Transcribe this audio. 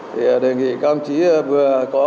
thì đề nghị các ông chí vừa có